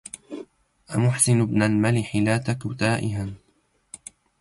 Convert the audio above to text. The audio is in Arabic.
أمحسن بن الملح لا تك تائها